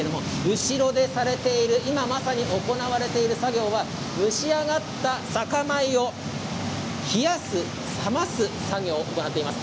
後ろでされている今行われている作業は蒸し上がった酒米を冷やす冷ます作業を行われています。